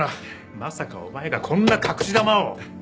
まさかお前がこんな隠し球を。